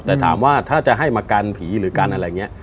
แต่ถามว่าถ้าจะให้มากันผีหรือกันอะไรอย่างนี้